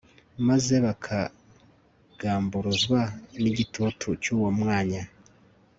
maze bakagamburuzwa nigitutu cyuwo mwanya